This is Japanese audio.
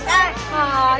はい。